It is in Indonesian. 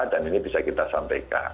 dan ini bisa kita sampaikan